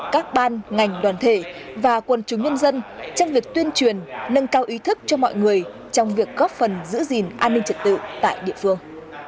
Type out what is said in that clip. các ban ngành đoàn thể và quân chúng nhân dân trong việc tuyên truyền nâng cao ý thức cho mọi người trong việc góp phần giữ gìn an ninh trật tự tại địa phương